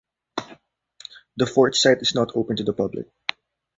The fort site is not open to the public.